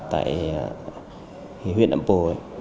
tại huyện năm pồ